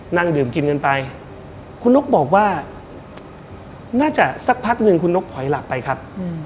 นั่งดื่มกินกันไปคุณนกบอกว่าน่าจะสักพักหนึ่งคุณนกถอยหลับไปครับ